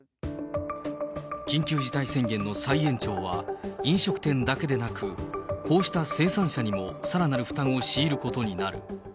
緊急事態宣言の再延長は、飲食店だけでなく、こうした生産者にもさらなる負担を強いることになる。